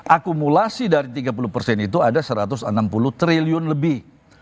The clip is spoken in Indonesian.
akumulasi dari tiga puluh persen itu ada satu ratus enam puluh triliun lebih